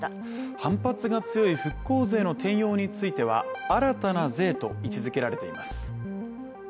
反発が強い復興税の転用については新たな税と位置づけられています。